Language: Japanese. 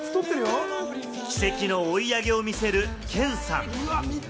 奇跡の追い上げを見せる、ケンさん。